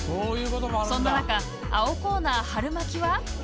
そんな中青コーナー「はるまき」は。